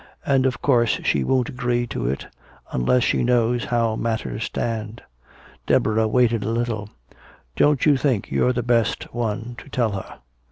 But of course she won't agree to it unless she knows how matters stand." Deborah waited a little. "Don't you think you're the best one to tell her?"